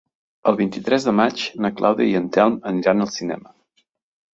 El vint-i-tres de maig na Clàudia i en Telm aniran al cinema.